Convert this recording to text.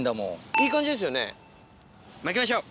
いい感じですよねまきましょう。